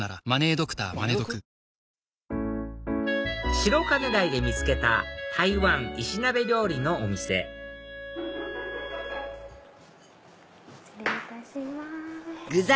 白金台で見つけた台湾石鍋料理のお店失礼いたします。